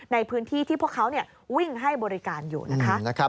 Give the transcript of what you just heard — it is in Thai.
ในพื้นที่ที่พวกเขาวิ่งให้บริการอยู่นะคะ